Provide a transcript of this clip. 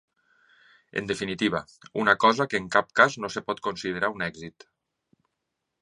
En definitiva, una cosa que en cap cas no es pot considerar un èxit.